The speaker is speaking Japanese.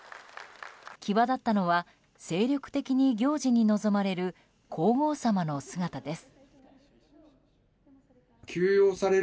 際立ったのは精力的に行事に臨まれる皇后さまの姿です。